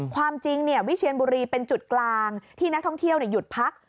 ความจริงวิเชียนบุรีเป็นจุดกลางที่นักท่องเที่ยวหยุดพัก